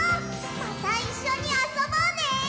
またいっしょにあそぼうね！